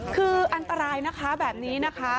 คืออันตรายนะคะแบบนี้นะคะ